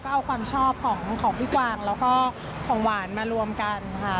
เอาความชอบของพี่กวางแล้วก็ของหวานมารวมกันค่ะ